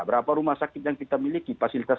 berapa rumah sakit yang kita miliki fasilitas